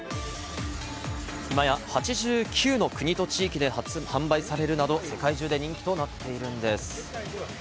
今や８９の国と地域で販売されるなど、世界中で人気となっているんです。